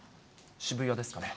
渋谷ですかね。